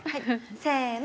せの。